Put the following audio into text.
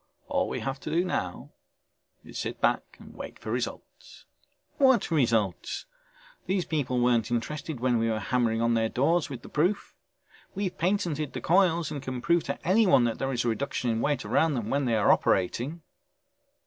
All we have to do now is sit back and wait for results." "What results?! These people weren't interested when we were hammering on their doors with the proof. We've patented the coils and can prove to anyone that there is a reduction in weight around them when they are operating...."